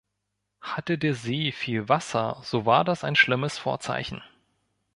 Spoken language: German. Hatte der See viel Wasser, so war das ein schlimmes Vorzeichen.